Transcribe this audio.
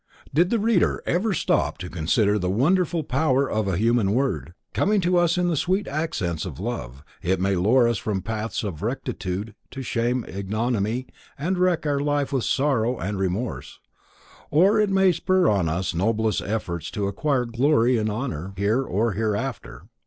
Did the reader ever stop to consider the wonderful power of a human word. Coming to us in the sweet accents of love, it may lure us from paths of rectitude to shameful ignominy and wreck our life with sorrow and remorse, or it may spur us on in noblest efforts to acquire glory and honor, here or hereafter.